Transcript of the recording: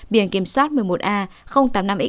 biển kiểm soát một mươi một a tám mươi năm x